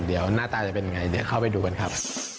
เดี๋ยวหน้าตาจะเป็นไงเดี๋ยวเข้าไปดูกันครับ